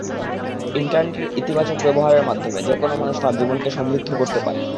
ইন্টারনেটের ইতিবাচক ব্যবহারের মাধ্যমে যেকোনো মানুষ তাঁর জীবনকে সমৃদ্ধ করতে পারেন।